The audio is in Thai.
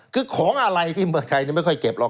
คือของอะไรในเมืองไทยไม่ค่อยเก็บ